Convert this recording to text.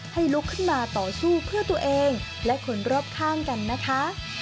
ลุกขึ้นมาต่อสู้เพื่อตัวเองและคนรอบข้างกันนะคะ